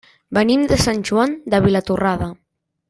Venim de Sant Joan de Vilatorrada.